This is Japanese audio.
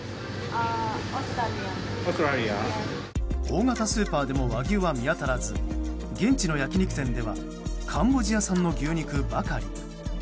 大型スーパーでも和牛は見当たらず現地の焼き肉店ではカンボジア産の牛肉ばかり。